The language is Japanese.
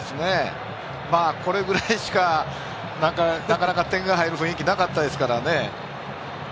これぐらいしかなかなか点が入る雰囲気がなかったですからね。